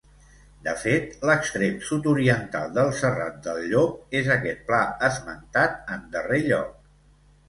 De fet, l'extrem sud-oriental del Serrat del Llop és aquest pla esmentat en darrer lloc.